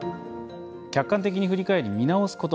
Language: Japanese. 「客観的に振り返り、見直すこと。